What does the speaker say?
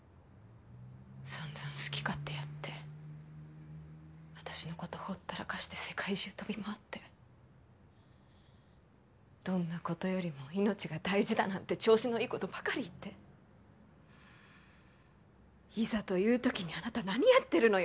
散々好き勝手やって私のことほったらかして世界中飛び回って「どんなことよりも命が大事」だなんて調子のいいことばかり言っていざという時にあなた何やってるのよ！？